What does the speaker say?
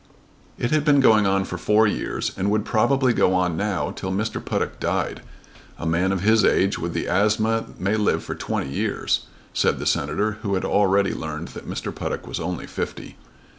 It had been going on for four years, and would probably go on now till Mr. Puttock died. "A man of his age with the asthma may live for twenty years," said the Senator who had already learned that Mr. Puttock was only fifty.